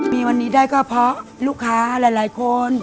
มีวันนี้ได้ก็เพราะลูกค้าหลายคน